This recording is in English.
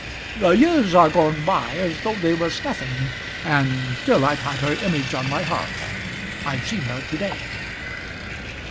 "The years are gone by as though they was nothing, and still I've had her image on my heart. I've seen her to day."